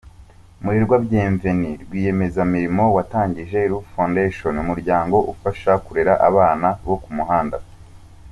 Murangwa Bienvenue: Rwiyemezamirimo watangije Root Foundation, umuryango ufasha kurera abana bo ku muhanda.